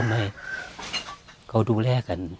ที่ทุกคนดูแลกัน